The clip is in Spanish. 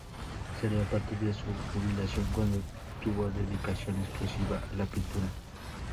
Sería a partir de su jubilación cuando tuvo dedicación exclusiva a la pintura.